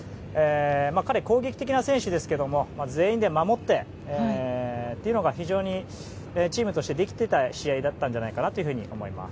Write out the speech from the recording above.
彼、攻撃的な選手ですけれども全員で守ってというのが非常にチームとしてできていた試合だったと思います。